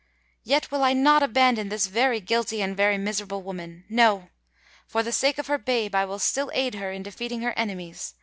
"Yet will I not abandon this very guilty and very miserable woman! No:—for the sake of her babe will I still aid her in defeating her enemies!